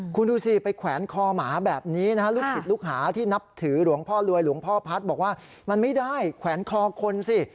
คุณดูสิไปแขวนคอหมาแบบนี้นะฮะลูกศิษย์ลูกหาที่นับถือหลวงพ่อรวยหลวงพ่อพัฒน์บอกว่ามันไม่ได้แขวนคอคนสิ